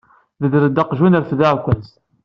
Bder-d aqjun, rfed aɛekkaz.